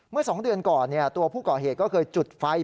เมื่อ๒เดือนก่อนตัวผู้ก่อเหตุก็เคยจุดไฟ